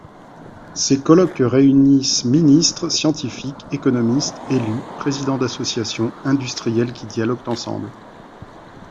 Ces colloques réunissent ministres, scientifiques, économistes, élus, présidents d'associations, industriels, qui dialoguent ensemble.